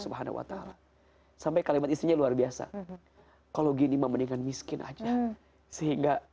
subhanahu wa ta'ala sampai kalimat istrinya luar biasa kalau gini membandingkan miskin aja sehingga